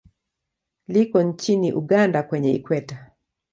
Liko nchini Uganda kwenye Ikweta.